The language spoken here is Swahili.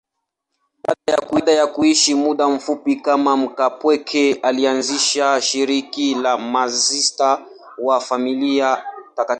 Baada ya kuishi muda mfupi kama mkaapweke, alianzisha shirika la Masista wa Familia Takatifu.